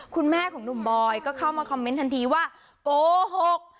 คุณแม่ของหนุ่มบอยก็เข้ามาคอมเมนต์ทันทีว่าโกหก